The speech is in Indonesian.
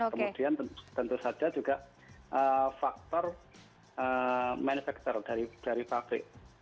kemudian tentu saja juga faktor manufaktur dari pabrik